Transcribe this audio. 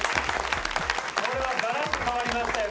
これはガラッと変わりましたよ